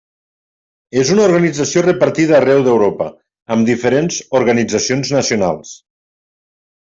És una organització repartida arreu d'Europa, amb diferents organitzacions nacionals.